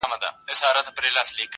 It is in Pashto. او داسي هايبريډيټي رامنځته کړي